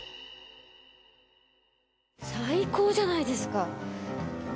最高じゃないですか。